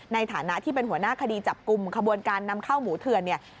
ในฐานะที่เป็นหัวหน้าคดีจับกลุ่มขบวนการนำเข้าหมูเถื่อนเนี่ย